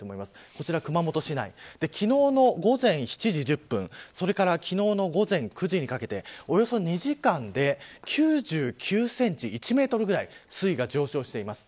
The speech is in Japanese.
こちらは熊本市内昨日の午前７時１０分それから昨日午前９時にかけておよそ２時間で９９センチ１メートルぐらい水位が上昇しています。